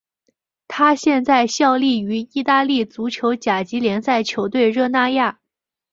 他现在效力于意大利足球甲级联赛球队热那亚。